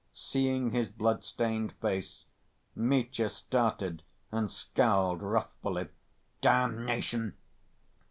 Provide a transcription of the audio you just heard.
Seeing his blood‐stained face, Mitya started and scowled wrathfully. "Damnation!